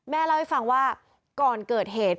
เล่าให้ฟังว่าก่อนเกิดเหตุ